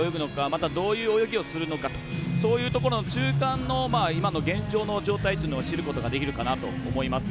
また、どういう泳ぎをするのかそういうところの中間の今の現状の状態っていうのを知ることができるかなと思います。